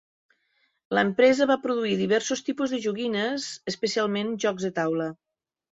L'empresa va produir diversos tipus de joguines, especialment jocs de taula.